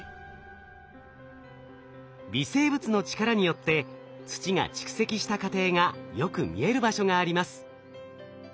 微生物の力によって土が蓄積した過程がよく見える場所があります。